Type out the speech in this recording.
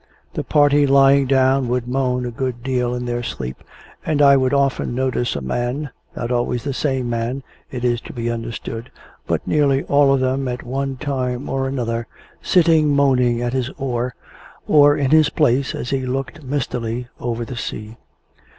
The party lying down would moan a good deal in their sleep, and I would often notice a man not always the same man, it is to be understood, but nearly all of them at one time or other sitting moaning at his oar, or in his place, as he looked mistily over the sea.